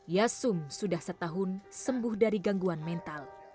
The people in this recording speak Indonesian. yasum sudah setahun sembuh dari gangguan mental